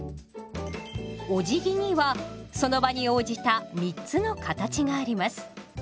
おじぎにはその場に応じた３つの形があります。